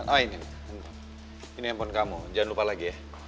oh ini ini handphone kamu jangan lupa lagi ya